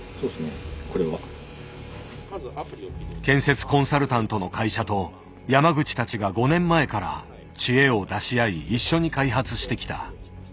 建設コンサルタントの会社と山口たちが５年前から知恵を出し合い一緒に開発してきた。